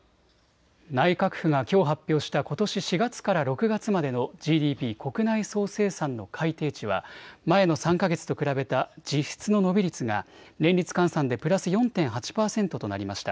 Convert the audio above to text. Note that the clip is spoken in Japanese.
内閣府がきょう発表したことし４月から６月までのＧＤＰ・国内総生産の改定値は前の３か月と比べた実質の伸び率が年率換算でプラス４．８％となりました。